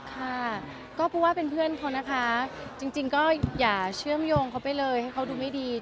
ค่ะก็เพราะว่าเป็นเพื่อนเขานะคะจริงก็อย่าเชื่อมโยงเขาไปเลยให้เขาดูไม่ดี